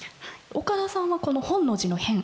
岡田さんはこの本能寺の変。